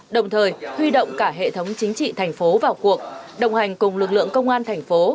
đồng thời huy động cả hệ thống chính trị thành phố vào cuộc đồng hành cùng lực lượng công an thành phố